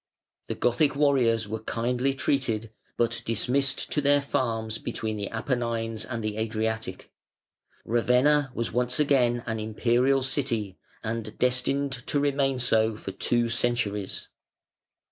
The Gothic warriors were kindly treated, but dismissed to their farms between the Apennines and the Adriatic. Ravenna was again an Imperial city, and destined to remain so for two centuries.